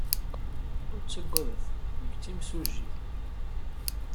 Ur ttaggadet. Nekk d timsujjit.